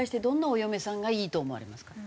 どんなお嫁さんがいいと思われますか？